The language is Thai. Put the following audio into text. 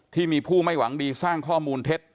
ที่มีผู้ไม่หวังดีสร้างข้อมูลเท็จ